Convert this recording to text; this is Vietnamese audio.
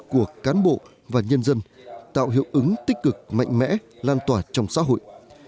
của cán bộ và nhân dân tạo hiệu ứng tích cực mạnh mẽ lan tỏa trong xã hội